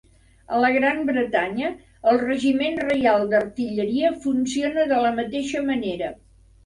A la Gran Bretanya, el Regiment Reial d'Artilleria funciona de la mateixa manera.